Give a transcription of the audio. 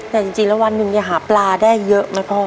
แต่จริงแล้ววันหนึ่งเนี่ยหาปลาได้เยอะไหมพ่อ